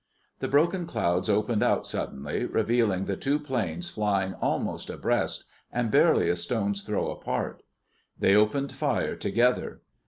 The broken clouds opened out suddenly, revealing the two planes flying almost abreast, and barely a stone's throw apart. They opened fire together.